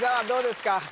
どうですか？